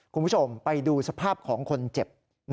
คุณผู้ชมไปดูสภาพของคนเจ็บ